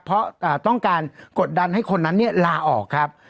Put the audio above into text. เพราะต้องการกดดันให้คนนั้นลาออกครับ